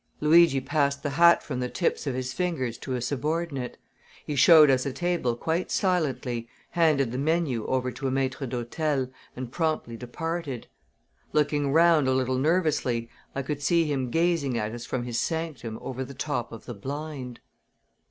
Luigi passed the hat from the tips of his fingers to a subordinate. He showed us a table quite silently, handed the menu over to a maître d'hôtel and promptly departed. Looking round a little nervously I could see him gazing at us from his sanctum over the top of the blind!